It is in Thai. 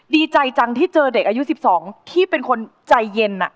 ดีใจจังที่เจอเด็กอายุ๑๒ที่เป็นคนใจเย็น